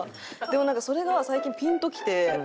でもなんかそれが最近ピンときて。